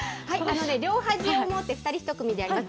両端を持って２人１組でやります。